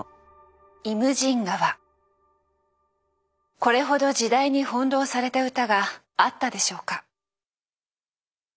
これほど時代に翻弄された歌があったでしょうか？